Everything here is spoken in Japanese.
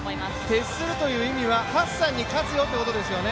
徹するという意味はハッサンに勝つよという意味ですよね？